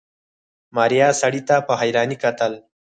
ماريا سړي ته په حيرانۍ کتل.